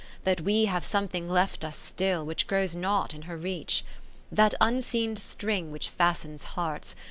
That we have something left us still Which grows not in her reach. V That unseen string which fastens hearts.